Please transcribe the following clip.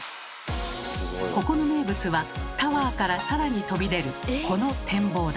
ここの名物はタワーから更に飛び出るこの展望台。